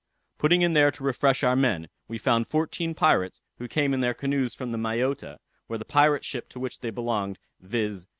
Putting in there to refresh our men, we found fourteen pirates who came in their canoes from the Mayotta, where the pirate ship to which they belonged, viz.